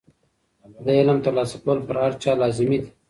د علم ترلاسه کول په هر چا لازمي دي.